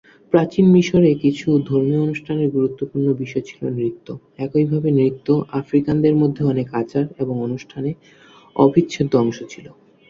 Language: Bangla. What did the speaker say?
প্রাচীন মিশরে কিছু ধর্মীয় অনুষ্ঠানের গুরুত্বপূর্ণ বিষয় ছিল নৃত্য, একইভাবে নৃত্য আফ্রিকানদের মধ্যে অনেক আচার এবং অনুষ্ঠানে অবিচ্ছেদ্য অংশ ছিল।